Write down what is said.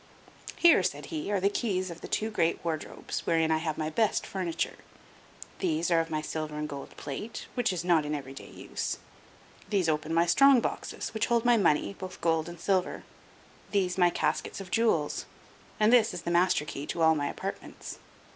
"Here," said he, "are the keys of the two great wardrobes, wherein I have my best furniture; these are of my silver and gold plate, which is not every day in use; these open my strong boxes, which hold my money, both gold and silver; these my caskets of jewels; and this is the master key to all my apartments.